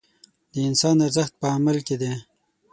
د انسان ارزښت په عمل کې دی.